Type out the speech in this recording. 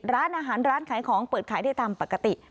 ร้านอาหารร้านขายของเปิดขายได้ตามปกติ